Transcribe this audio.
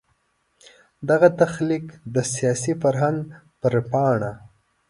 دغه تخلیق د سیاسي فرهنګ پر پاڼه.